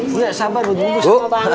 udah sabar udah bungkus